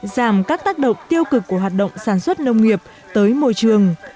giảm các tác động tiêu cực của hoạt động sản xuất nông nghiệp tới môi trường